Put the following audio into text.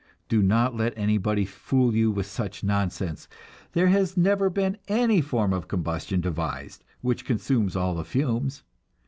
Do not let anybody fool you with such nonsense. There has never been any form of combustion devised which consumes all the fumes.